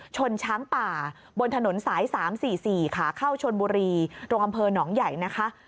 ชนช้างป่าบนถนนสาย๓๔๔ขาเข้าชนบุรีตรงอำเภอหนองใหญ่นะคะ